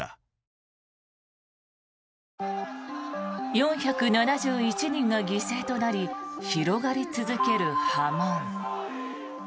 ４７１人が犠牲となり広がり続ける波紋。